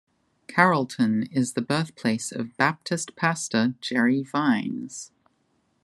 Carrollton is the birthplace of Baptist pastor Jerry Vines.